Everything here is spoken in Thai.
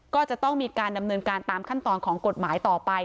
ก็จะต้องมีการดำเนินการตามขั้นตอนของกฎหมายต่อไป